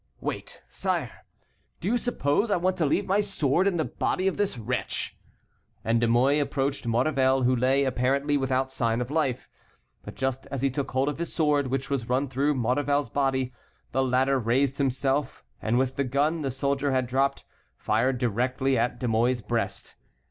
"Wait, sire. Do you suppose I want to leave my sword in the body of this wretch?" and De Mouy approached Maurevel, who lay apparently without sign of life. But just as he took hold of his sword, which was run through Maurevel's body, the latter raised himself, and with the gun the soldier had dropped fired directly at De Mouy's breast.